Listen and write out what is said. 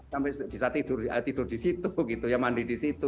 sampai bisa tidur di situ mandi di situ